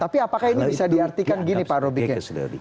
tapi apakah ini bisa diartikan begini pak roby